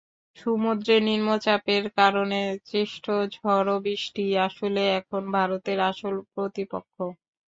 সমুদ্রে নিম্নচাপের কারণে সৃষ্ট ঝোড়ো বৃষ্টিই আসলে এখন ভারতের আসল প্রতিপক্ষ।